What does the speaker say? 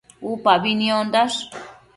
Upabi niondash